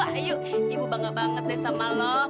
adua ayu ibu bangga banget deh sama lo